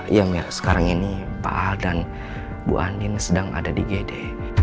ya mir sekarang ini pak al dan bu andin sedang ada di gede